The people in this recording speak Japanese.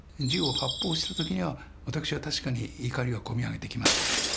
銃を発砲した時には私は確かに怒りがこみ上げてきました。